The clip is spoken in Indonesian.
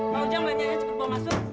mau ceng beli aja cepet mau masuk